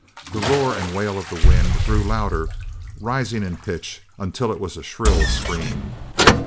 The roar and wail of the wind grew louder, rising in pitch until it was a shrill scream.